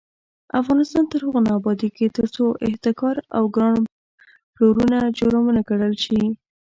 افغانستان تر هغو نه ابادیږي، ترڅو احتکار او ګران پلورنه جرم ونه ګڼل شي.